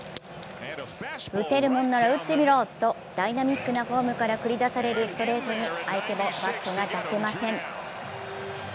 打てるもんなら打ってみろとダイナミックなフォームから繰り出されるストレートに相手もバットが出せません。